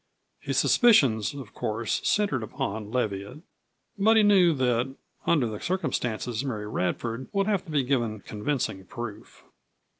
His suspicions, of course, centered upon Leviatt, but he knew that under the circumstances Mary Radford would have to be given convincing proof.